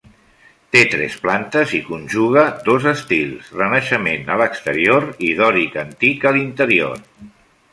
Té tres plantes i conjuga dos estils: renaixement a l'exterior i dòric antic a l'interior.